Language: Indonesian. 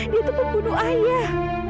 dia itu pembunuh ayah